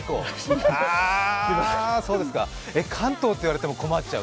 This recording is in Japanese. あ、そうですか、関東って言われても困っちゃう。